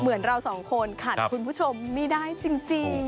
เหมือนเราสองคนขัดคุณผู้ชมไม่ได้จริง